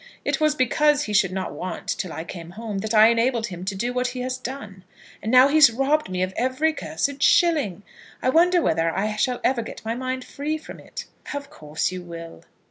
It was because he should not want till I came home that I enabled him to do what he has done. And now he has robbed me of every cursed shilling! I wonder whether I shall ever get my mind free from it." "Of course you will."